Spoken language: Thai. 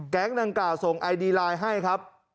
ดังกล่าวส่งไอดีไลน์ให้ครับ